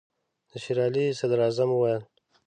د شېر علي صدراعظم وویل.